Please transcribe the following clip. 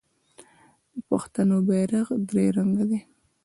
د پښتنو بیرغ درې رنګه دی.